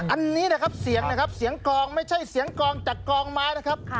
อันนี้นะครับเสียงนะครับเสียงกองไม่ใช่เสียงกองจากกองไม้นะครับ